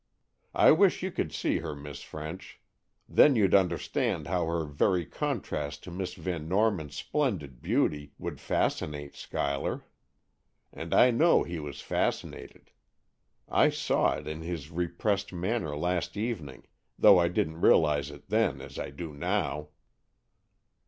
I wish you could see her, Miss French. Then you'd understand how her very contrast to Miss Van Norman's splendid beauty would fascinate Schuyler. And I know he was fascinated. I saw it in his repressed manner last evening, though I didn't realize it then as I do now."